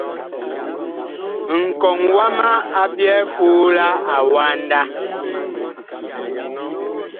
Nkɔŋ waha a byɛɛ koo la awanda.